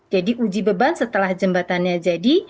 jadi uji beban setelah jembatannya jadi